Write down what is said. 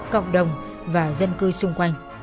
cộng đồng và dân cư xung quanh